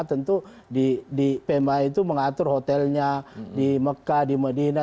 tentu di pma itu mengatur hotelnya di mekah di medina